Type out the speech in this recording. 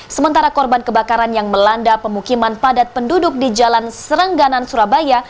sementara korban kebakaran yang melanda pemukiman padat penduduk di jalan serengganan surabaya